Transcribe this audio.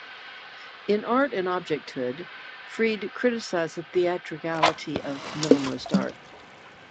In "Art and Objecthood" Fried criticised the "theatricality" of Minimalist art.